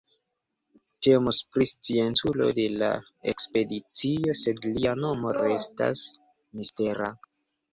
Temus pri scienculo de la ekspedicio sed lia nomo restas mistera.